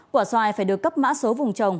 quả xoài phải được cấp mã số vùng trồng